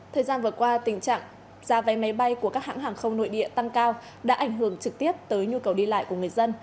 thời gian vừa qua tình trạng giá vé máy bay của các hãng hàng không nội địa tăng cao đã ảnh hưởng trực tiếp tới nhu cầu đi lại của người dân